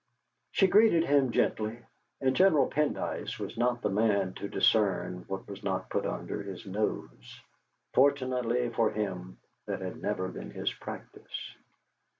She greeted him gently, and General Pendyce was not the man to discern what was not put under his nose. Fortunately for him, that had never been his practice.